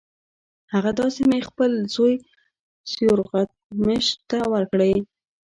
هغه دا سیمې خپل بل زوی سیورغتمش ته ورکړې.